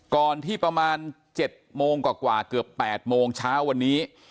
ก่อนที่ประมาณ๗โมงกว่าเกือบ๘โมงเช้าวันนี้